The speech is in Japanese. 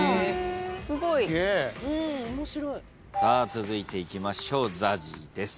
すごい！続いていきましょうＺＡＺＹです。